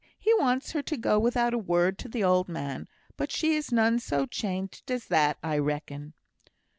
he wants her to go without a word to the old man; but she is none so changed as that, I reckon."